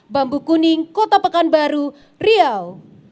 bambu kuning kota pekanbaru riau